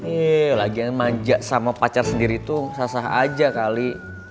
eh lagi yang manja sama pacar sendiri tuh sasah aja kali